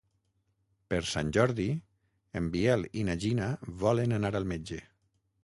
Per Sant Jordi en Biel i na Gina volen anar al metge.